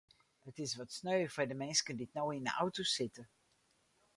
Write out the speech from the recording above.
It is wat sneu foar de minsken dy't no yn de auto sitte.